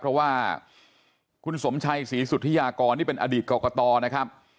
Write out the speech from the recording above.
เพราะว่าคุณสมชัยศรีสุธิยากรนี่เป็นอดีตกรกตนะครับ